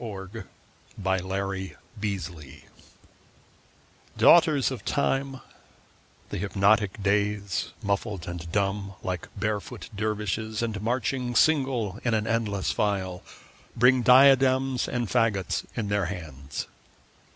Ralph Waldo Emerson Days DAUGHTERS of Time, the hypocritic Days, Muffled and dumb like barefoot dervishes, And marching single in an endless file, Bring diadems and faggots in their hands.